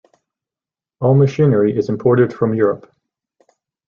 All machinery is imported from Europe.